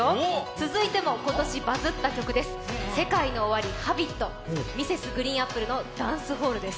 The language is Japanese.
続いても今年バズった曲です、ＳＥＫＡＩＮＯＯＷＡＲＩ「Ｈａｂｉｔ」、Ｍｒｓ．ＧＲＥＥＮＡＰＰＬＥの「ダンスホール」です。